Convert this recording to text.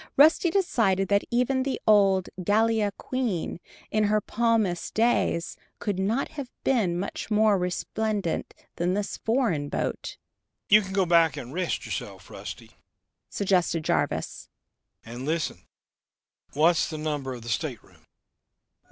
Rusty decided that even the old Gallia Queen, in her palmiest days, could not have been much more resplendent than this "foreign" boat! "You can go back and rest yourself, Rusty," suggested Jarvis. "And, listen what's the number of the stateroom?"